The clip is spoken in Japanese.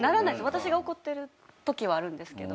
私が怒ってるときはあるんですけど。